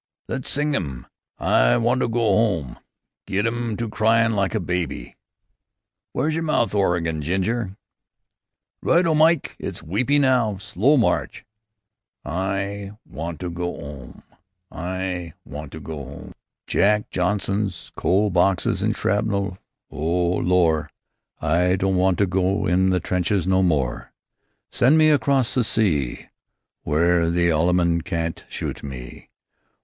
"Less sing 'im, 'I want to go 'ome.' Get 'im to cryin' like a baby." "W'ere's yer mouth organ, Ginger?" "Right O! Myke it weepy now! Slow march!" "I want to go 'ome! I want to go 'ome! Jack Johnsons, coal boxes, and shrapnel, oh, Lor'! I don't want to go in the trenches no more. Send me across the sea W'ere the Allemand can't shoot me.